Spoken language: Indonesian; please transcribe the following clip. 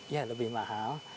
ya lebih mahal